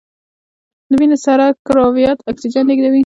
د وینې سره کرویات اکسیجن لیږدوي